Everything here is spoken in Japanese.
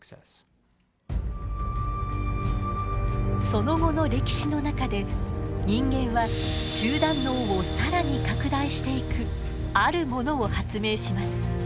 その後の歴史の中で人間は集団脳を更に拡大していくあるものを発明します。